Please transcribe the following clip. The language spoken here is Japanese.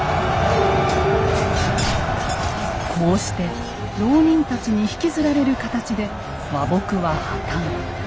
こうして牢人たちに引きずられる形で和睦は破綻。